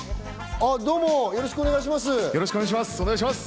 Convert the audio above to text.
あ、どうもよろしくお願いします。